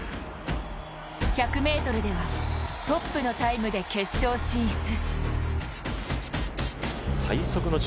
１００ｍではトップのタイムで決勝進出。